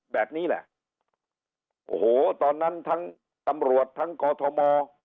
แบบนี้แหละโอ้โหตอนนั้นทั้งตำรวจทั้งกอทม